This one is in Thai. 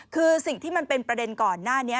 คือสิ่งที่มันเป็นประเด็นก่อนหน้านี้